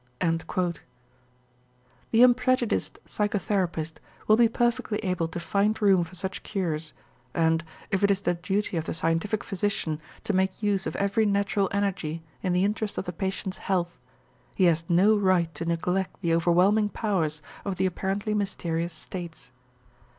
The unprejudiced psychotherapist will be perfectly able to find room for such cures and, if it is the duty of the scientific physician to make use of every natural energy in the interest of the patient's health, he has no right to neglect the overwhelming powers of the apparently mysterious states.